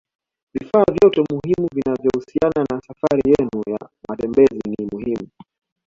Vifaa vyote muhimu vinavyohusiana na safari yenu ya matembezi ni muhimu